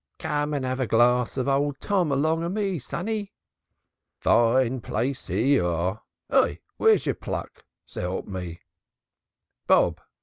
"Come and have a glass of Old Tom, along o' me, sonny." "Fine plaice! Here y'are! Hi! where's yer pluck! S'elp me " "Bob!